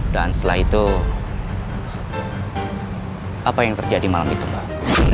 dan setelah itu apa yang terjadi malam itu mbak